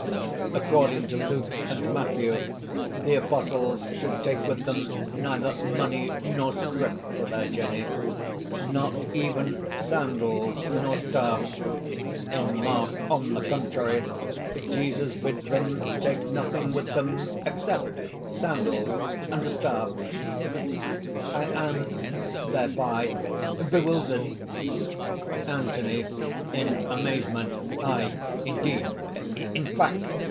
According to Luke and Matthew, the apostles should take with them neither money nor scrip for their journey not even sandals nor staff; in Mark, on the contrary, Jesus bids them take nothing with them, except sandals and a staff. I am thereby bewildered!" ANTHONY (in amazement). "Aye, indeed!... in fact...."